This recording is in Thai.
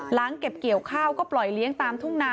หลังเก็บเกี่ยวข้าวก็ปล่อยเลี้ยงตามทุ่งนา